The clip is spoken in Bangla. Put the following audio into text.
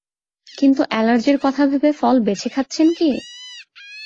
কিন্তু অ্যালার্জির কথা ভেবে ফল বেছে খাচ্ছেন কি?